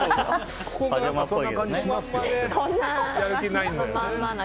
そんな感じしますよ。